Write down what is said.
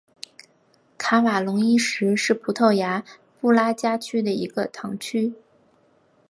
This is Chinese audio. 卡瓦隆伊什是葡萄牙布拉加区的一个堂区。